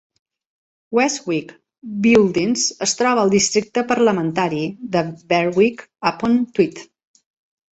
Cheswick Buildings es troba al districte parlamentari de Berwick-upon-Tweed.